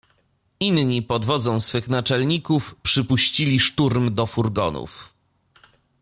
"„Inni pod wodzą swych naczelników przypuścili szturm do furgonów."